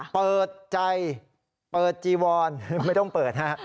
เปิดใจเปิดจีวอนไม่ต้องเปิดฮะ